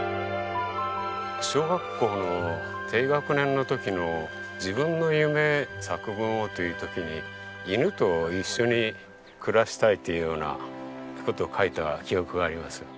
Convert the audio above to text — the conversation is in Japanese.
小学校の低学年の時の自分の夢作文をという時に犬と一緒に暮らしたいというような事を書いた記憶があります。